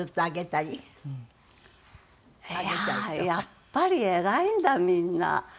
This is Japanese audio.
やっぱり偉いんだみんな。